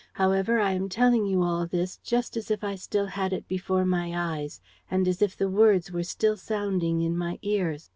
However, I am telling you all this just as if I still had it before my eyes and as if the words were still sounding in my ears.